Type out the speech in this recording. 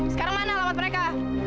sekarang mana alamat mereka